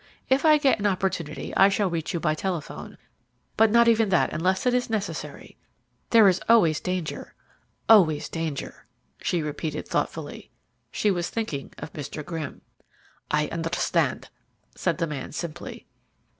If I get an opportunity I shall reach you by telephone, but not even that unless it is necessary. There is always danger, always danger!" she repeated thoughtfully. She was thinking of Mr. Grimm. "I understand," said the man simply.